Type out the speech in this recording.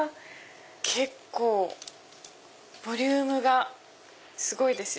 結構ボリュームがすごいですよ。